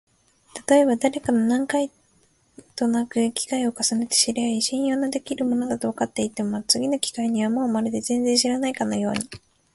たとえばだれかと何回となく機会を重ねて知り合い、信用のできる者だとわかっても、次の機会にはもうまるで全然知らないかのように、